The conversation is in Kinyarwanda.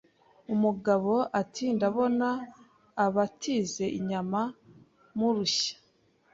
Umugabo ati ndabona abatize inyama murushya